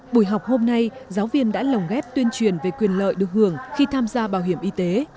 buổi học hôm nay giáo viên đã lồng ghép tuyên truyền về quyền lợi được hưởng khi tham gia bảo hiểm y tế